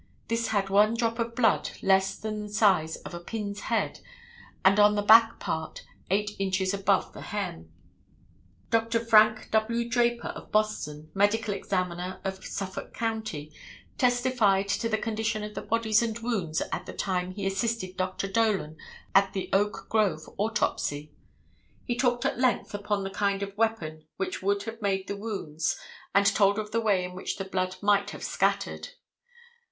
This had one drop of blood less than the size of a pin's head and on the back part eight inches above the hem. Dr. Frank W. Draper of Boston, medical examiner of Suffolk county, testified to the condition of the bodies and wounds at the time he assisted Dr. Dolan at the Oak Grove autopsy. He talked at length upon the kind of weapon which could have made the wounds and told of the way in which the blood might have scattered.